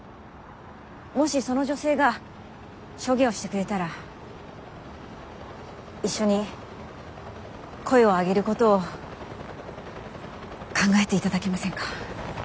もしその女性が証言をしてくれたら一緒に声を上げることを考えて頂けませんか？